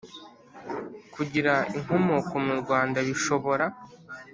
Kugira inkomoko mu rwanda bishobora